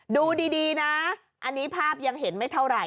ดูดีนะอันนี้ภาพยังเห็นไม่เท่าไหร่